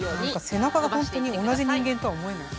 背中がほんとに同じ人間とは思えない。